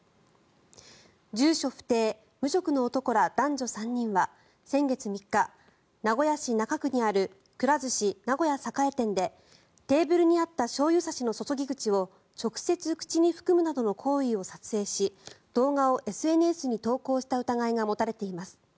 住所不定・無職の男ら男女３人は先月３日名古屋市中区にあるくら寿司名古屋栄店でテーブルにあったしょうゆ差しの注ぎ口を直接口に含むなどの行為を撮影し動画をＳＮＳに投稿した疑いが持たれています。